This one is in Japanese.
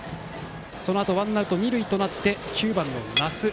そのあとワンアウト二塁となって９番、那須。